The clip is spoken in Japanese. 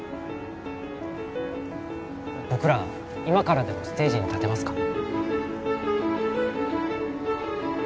僕ら今からでもステージに立てますか？